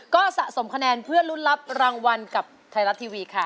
ก็สะสมคะแนนเพื่อลุ้นรับรางวัลกับไทยรัฐทีวีค่ะ